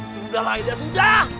sudahlah aida sudah